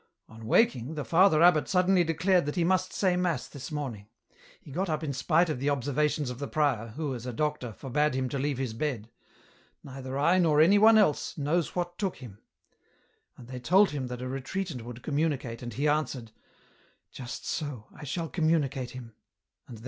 On waking, the Father Abbot suddenly declared that he must say mass this morning. He got up in spite of the observations of the prior, who as a doctor, forbade him to leave his bed. Neither I, nor any one else, EN ROUTE. 213 knows what took him. Then they told him that a retreatant would communicate and he answered * Just so, I shall communicate him.' And then M.